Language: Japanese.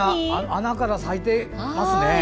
穴から咲いてますね。